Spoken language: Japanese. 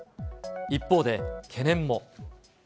一方で、懸念も。